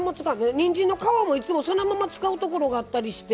にんじんの皮もそのまま使うところがあったりして。